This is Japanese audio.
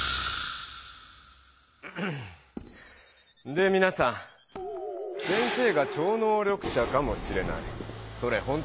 でみなさん先生が超能力者かもしれないそれほんとの話ですか？